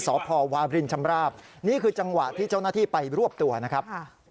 สพวาบรินชำราบนี่คือจังหวะที่เจ้าหน้าที่ไปรวบตัวนะครับ